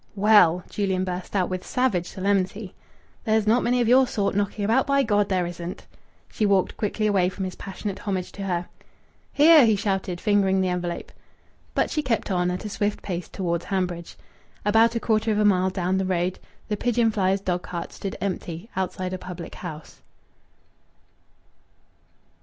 "Well!" Julian burst out with savage solemnity, "there's not many of your sort knocking about. By G there isn't!" She walked quickly away from his passionate homage to her. "Here!" he shouted, fingering the envelope. But she kept on at a swift pace towards Hanbridge. About a quarter of a mile down the road the pigeon flyer's dogcart stood empty outside a public house.